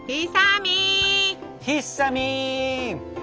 ひっさみん。